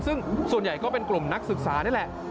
ซึ่งส่วนใหญ่ก็เป็นกลุ่มนักศึกษานี่แหละ